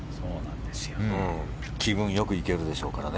気分よく行けるでしょうからね。